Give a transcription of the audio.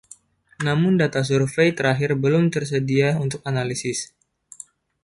Namun, data survei terakhir belum tersedia untuk analisis.